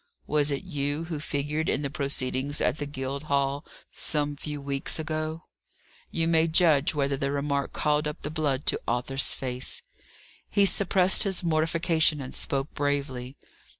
"Was it you who figured in the proceedings at the Guildhall some few weeks ago?" You may judge whether the remark called up the blood to Arthur's face. He suppressed his mortification, and spoke bravely.